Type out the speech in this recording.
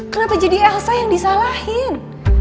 kenapa jadi elsa yang disalahin